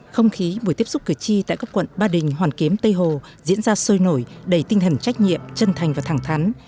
không khí buổi tiếp xúc cử tri tại các quận ba đình hoàn kiếm tây hồ diễn ra sôi nổi đầy tinh thần trách nhiệm chân thành và thẳng thắn